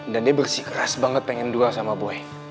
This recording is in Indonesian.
dan dia bersikeras banget pengen dua sama boy